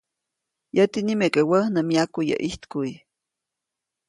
Yäti nimeke wä nä myaku yäʼ ʼijtkuʼy.